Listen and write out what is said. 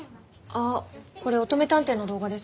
あっこれ乙女探偵の動画ですか？